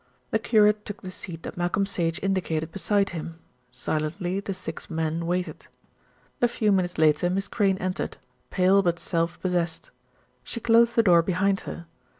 The curate took the seat that Malcolm Sage indicated beside him. Silently the six men waited. A few minutes later Miss Crayne entered, pale but self possessed. She closed the door behind her.